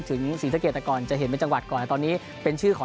ถึงศีนรเรเรตจะเห็นในจังหวัดก่อนตอนหนี้เป็นชื่อของ